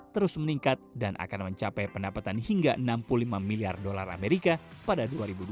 terus meningkat dan akan mencapai pendapatan hingga enam puluh lima miliar dolar amerika pada dua ribu dua puluh